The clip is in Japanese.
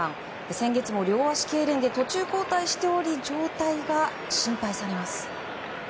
先月も両足けいれんで途中降板しており状態が心配されます。